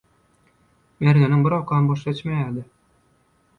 Mergeniň bir okam boş geçmýärdi